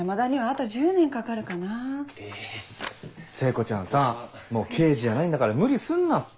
聖子ちゃんさぁもう刑事じゃないんだから無理すんなって。